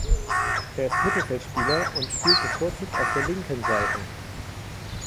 Er ist Mittelfeldspieler und spielt bevorzugt auf der linken Seite.